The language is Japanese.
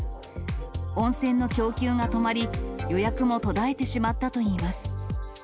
温泉の供給が止まり、予約も途絶えてしまったといいます。